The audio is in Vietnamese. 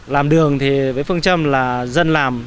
làm đường thì với phương châm là dân làm